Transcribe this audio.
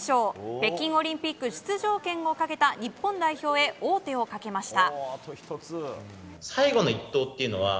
北京オリンピック出場権をかけた日本代表へ王手をかけました。